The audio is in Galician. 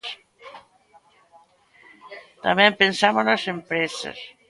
Tamén pensamos nas empresas.